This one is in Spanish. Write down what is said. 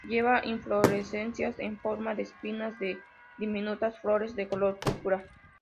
Lleva inflorescencias en forma de espigas de diminutas flores de color púrpura.